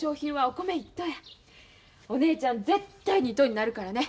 お姉ちゃん絶対２等になるからね。